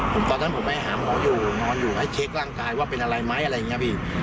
ผมตอนนั้นผมไปหาหมออยู่นอนอยู่ให้เช็คร่างกายว่าเป็นอะไรไหมอะไรอย่างนี้พี่